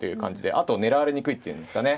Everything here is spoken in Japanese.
あと狙われにくいって言うんですかね。